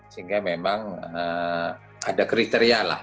sehingga memang ada kriteria lah